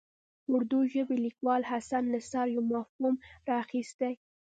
اردو ژبي لیکوال حسن نثار یو مفهوم راخیستی.